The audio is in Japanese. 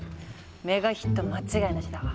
メガヒット間違いナシだわ。